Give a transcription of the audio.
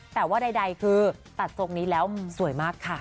แต่ว่าใดคือตัดทรงนี้แล้วสวยมากค่ะ